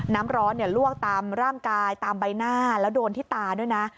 น้ำร้อนลวกตามร่างกายตามใบหน้าแล้วโดนที่ตาด้วยนะ